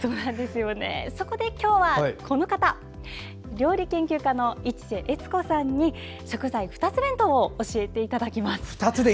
そこで今日は、この方料理研究家の市瀬悦子さんに食材２つ弁当を教えていただきます。